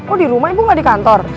oh di rumah ibu nggak di kantor